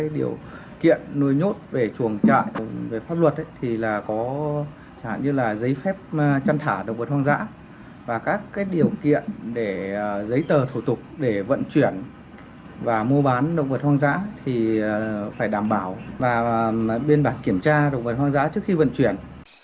điều kiện để giấy tờ thủ tục để vận chuyển và mua bán động vật hoang dã thì phải đảm bảo và biên bản kiểm tra động vật hoang dã trước khi vận chuyển